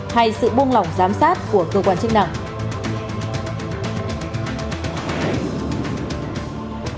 tại nhà tăng lễ ở đông tây